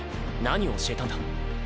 何を教えたんだ？